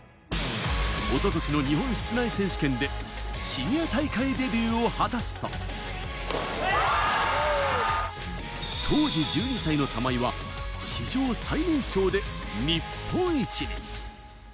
一昨年の室内選手権でシニア大会デビューを果たすと、当時１２歳の玉井は史上最年少で日本一に。